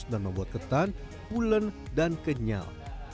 dan membuat ketan hurlan dan kenyal